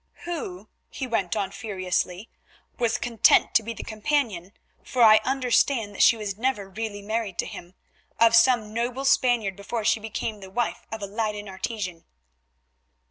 "Who," he went on furiously, "was content to be the companion, for I understand that she was never really married to him, of some noble Spaniard before she became the wife of a Leyden artisan."